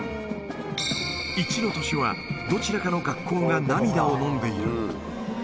１の年は、どちらかの学校が涙を飲んでいる。